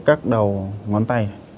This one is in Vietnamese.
các đầu ngón tay